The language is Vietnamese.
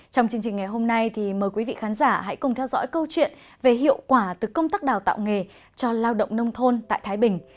trong chương trình ngày hôm nay mời quý vị khán giả hãy cùng theo dõi câu chuyện về hiệu quả từ công tác đào tạo nghề cho lao động nông thôn tại thái bình